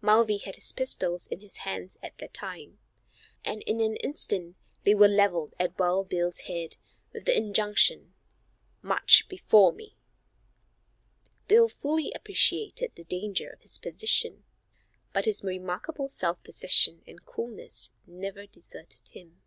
Mulvey had his pistols in his hands at the time, and in an instant they were leveled at Wild Bill's head, with the injunction, "March before me." Bill fully appreciated the danger of his position, but his remarkable self possession and coolness never deserted him.